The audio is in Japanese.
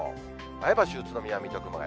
前橋、宇都宮、水戸、熊谷。